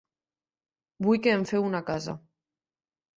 Vull que em feu una casa.